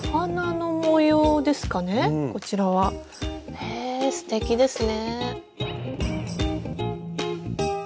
へえすてきですね。